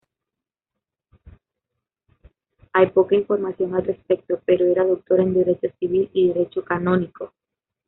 Hay poca información al respecto, pero era Doctor en Derecho Civil y Derecho Canónico.